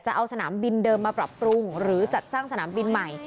จะเอาสนามบินเดิมมาปรับปรุงหรือจัดสร้างสนามบินใหม่